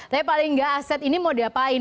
tapi paling nggak aset ini mau diapain